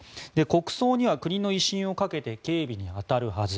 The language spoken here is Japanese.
国葬には国の威信をかけて警備に当たるはず。